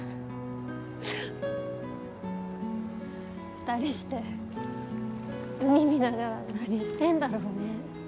二人して海見ながら何してんだろうね。